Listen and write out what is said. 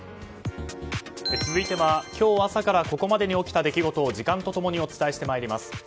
続いては今日朝からここまでに起きた出来事を時間と共にお伝えしてまいります。